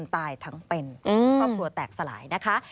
ตายทั้งเป็นครอบครัวแตกสลายนะคะ